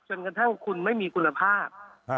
จนกระทั่งคุณไม่มีคุณภาพ